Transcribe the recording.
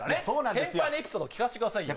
先輩のエピソード聞かせてくださいよ